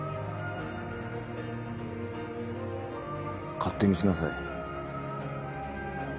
勝手にしなさい。